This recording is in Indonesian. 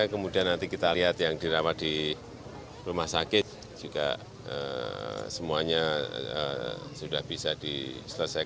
kemudian nanti kita lihat yang dirawat di rumah sakit juga semuanya sudah bisa diselesaikan